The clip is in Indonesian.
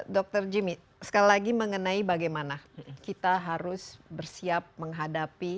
dr jimmy sekali lagi mengenai bagaimana kita harus bersiap menghadapi